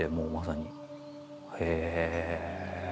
へえ。